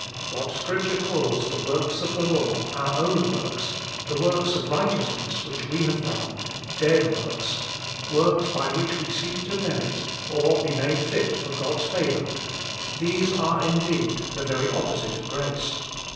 What Scripture calls the works of the law, our own works, 76 Working for God 77 the works of righteousness which we have done, dead works — works by which we seek to merit or to be made fit for God's favour, these are indeed the very opposite of grace.